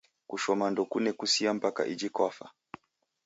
Kushoma ndokune kusia mpaka iji kwafa